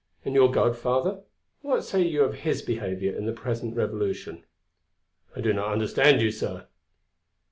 "And your God, Father, what say you of His behaviour in the present Revolution?" "I do not understand you, sir."